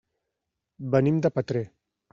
Venim de Petrer.